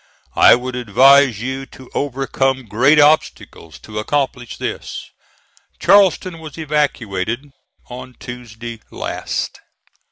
I would advise you to overcome great obstacles to accomplish this. Charleston was evacuated on Tuesday last."